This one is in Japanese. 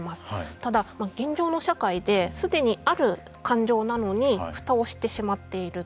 ただ、現状の社会ですでにある感情なのにふたをしてしまっている。